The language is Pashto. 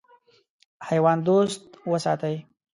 حیوان دوست وساتئ.